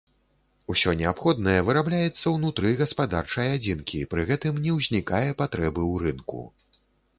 Усё неабходнае вырабляецца ўнутры гаспадарчай адзінкі, пры гэтым не ўзнікае патрэбы ў рынку.